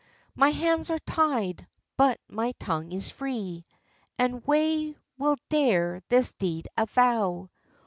"My hands are tied; but my tongue is free, And whae will dare this deed avow?